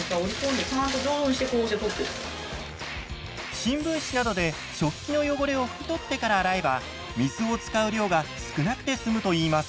新聞紙などで食器の汚れをふきとってから洗えば水を使う量が少なくて済むといいます。